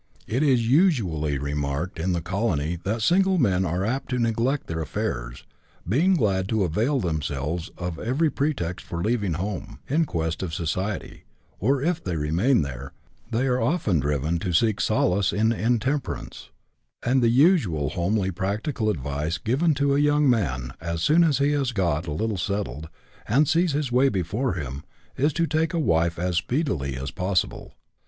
It is usually remarked in the colony that single men are apt to neglect their affairs, being glad to avail themselves of every pretext for leaving home in quest of society, or, if they remain there, they are often driven to seek solace in intemperance ; and the usual homely practical advice given to a young man, as soon as he has got a little settled and " sees his way before him," is to take a wife as speedily as possible.